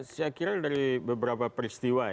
saya kira dari beberapa peristiwa ya